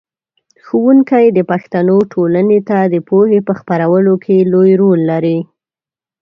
ښوونکی د پښتنو ټولنې ته د پوهې په خپرولو کې لوی رول لري.